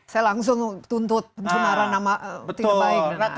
saya langsung tuntut pencumaran nama tinggi baik